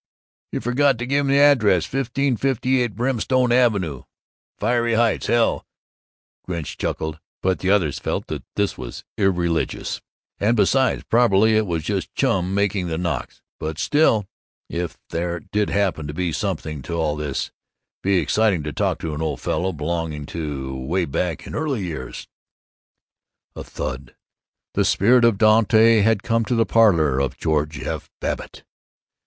"You forgot to give um the address: 1658 Brimstone Avenue, Fiery Heights, Hell," Gunch chuckled, but the others felt that this was irreligious. And besides "probably it was just Chum making the knocks, but still, if there did happen to be something to all this, be exciting to talk to an old fellow belonging to way back in early times " A thud. The spirit of Dante had come to the parlor of George F. Babbitt.